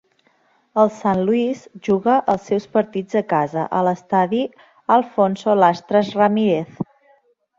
El San Luis juga els seus partits a casa a l'estadi Alfonso Lastras Ramírez.